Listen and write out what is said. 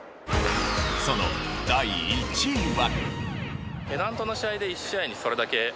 その第１位は。